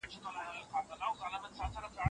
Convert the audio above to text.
شیطان له پاکۍ تښتي.